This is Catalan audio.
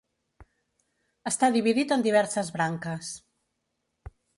Està dividit En diverses branques.